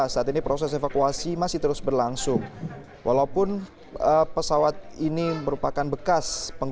setiap ada kecelakaan harus menjadi pelajaran